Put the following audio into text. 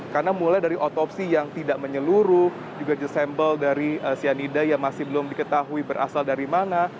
karena mulai dari otopsi yang tidak menyeluruh juga desembel dari cyanida yang masih belum diketahui berasal dari mana